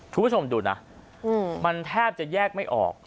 คุณผู้ชมดูนะมันแทบจะแยกไม่ออก